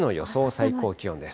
最高気温です。